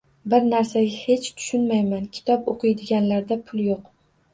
Bir narsaga hech tushunmayman: kitob o’qiydiganlarda pul yo’q.